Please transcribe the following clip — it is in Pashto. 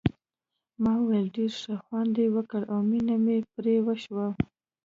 ما وویل ډېر ښه خوند یې وکړ او مینه مې پرې وشوه.